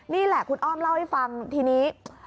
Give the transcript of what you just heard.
นี่แหละคุณอ้อมเล่าให้ฟังทีนี้